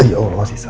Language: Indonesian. ya allah masih sakit